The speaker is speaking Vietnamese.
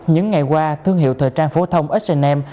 những ngày qua thương hiệu thời trang phố thông h m